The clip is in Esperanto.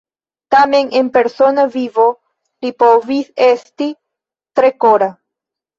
Tamen en persona vivo li povis esti tre kora.